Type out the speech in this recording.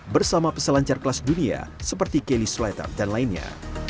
bersama peselancar kelas dunia seperti kelly slighter dan lainnya